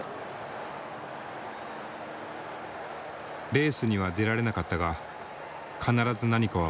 レースには出られなかったが必ず何かは持ち帰る。